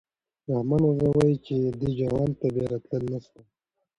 رحمان بابا وايي چې دې جهان ته بیا راتلل نشته.